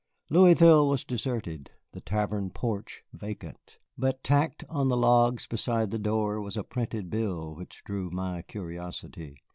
Louisville was deserted, the tavern porch vacant; but tacked on the logs beside the door was a printed bill which drew my curiosity.